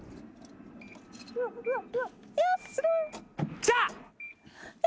来た！